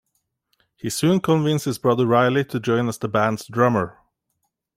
He soon convinced his brother Riley to join as the band's drummer.